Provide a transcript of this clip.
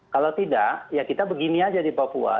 kalau tidak ya kita begini aja di papua